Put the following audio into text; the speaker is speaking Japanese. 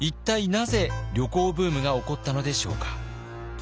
なぜ旅行ブームが起こったのでしょうか。